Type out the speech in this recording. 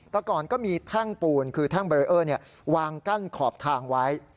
แต่ก่อนก็มีแท่งปูนคือแท่งเบรเออร์วางกั้นขอบทางไว้